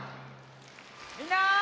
みんな！